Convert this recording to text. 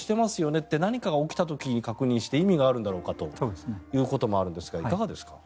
って何かが起きた時に確認して意味があるんだろうかということもあるんですがいかがですか？